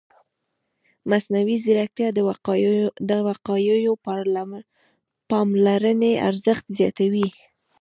مصنوعي ځیرکتیا د وقایوي پاملرنې ارزښت زیاتوي.